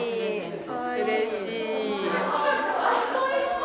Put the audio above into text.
うれしい。